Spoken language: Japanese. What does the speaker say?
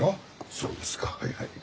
そうですかはいはい。